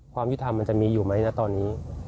ยุทธรรมมันจะมีอยู่ไหมนะตอนนี้